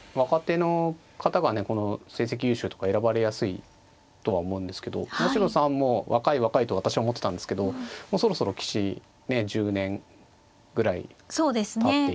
この成績優秀とか選ばれやすいとは思うんですけど八代さんも若い若いと私は思ってたんですけどもうそろそろ棋士ねえ１０年ぐらいたっていて。